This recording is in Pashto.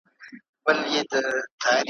نور مي د ژوند سفر لنډ کړی دی منزل راغلی ,